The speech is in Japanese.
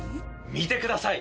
見てください！